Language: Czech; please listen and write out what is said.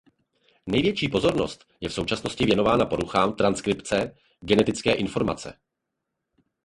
Největší pozornost je v současnosti věnována poruchám transkripce genetické informace.